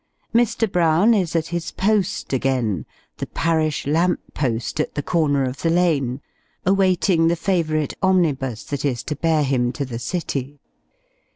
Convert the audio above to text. Mr. Brown is at his post again the parish lamp post at the corner of the lane awaiting the "Favourite" omnibus, that is to bear him to the City.